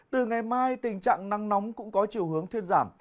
từ ngày mai tình trạng năng nóng cũng có chiều hướng thiên giảm